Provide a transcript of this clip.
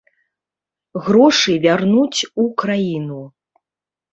Грошы вярнуць у краіну.